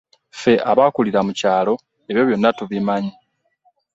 Ffe abaakulira mu kyalo ebyo byonna tubimanyi.